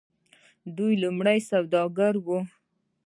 دوی لومړی سوداګر وو.